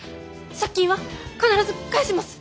借金は必ず返します！